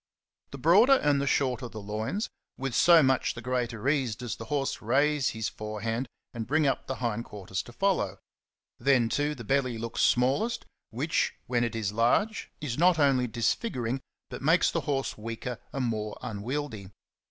The broader and the shorter the loins, with so much the greater ease does the horse raise his forehand and bring up the hind quarters to follow; then, too, the belly looks smallest, which, when it is large, is not 1 8 XENOPHON ON HORSEMANSHIP. only disfiguring, but makes the horse weaker and more unwieldy.